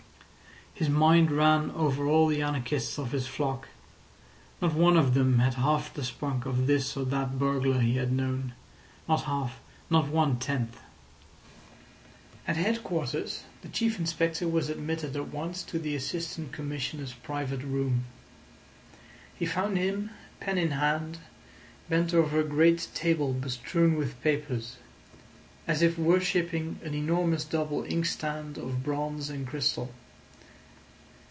His mind ran over all the anarchists of his flock. Not one of them had half the spunk of this or that burglar he had known. Not half—not one tenth. At headquarters the Chief Inspector was admitted at once to the Assistant Commissioner's private room. He found him, pen in hand, bent over a great table bestrewn with papers, as if worshipping an enormous double inkstand of bronze and crystal.